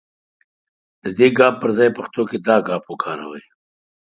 د دې ګ پر ځای پښتو کې دا گ وکاروئ.